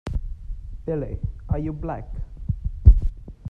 Billy, are you black?